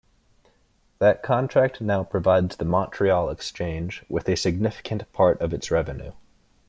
That contract now provides the Montreal Exchange with a significant part of its revenue.